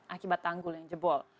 akibat tanggul yang jebol